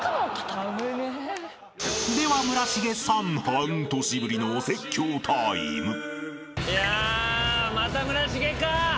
［では村重さん半年ぶりのお説教タイム］いやまた村重か。